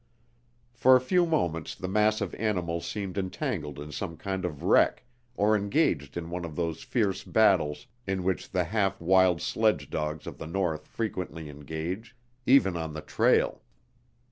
For a few moments the mass of animals seemed entangled in some kind of wreck or engaged in one of those fierce battles in which the half wild sledge dogs of the North frequently engage, even on the trail.